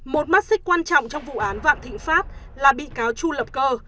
một mắt xích quan trọng trong vụ án vạn thịnh pháp là bị cáo chu lập cơ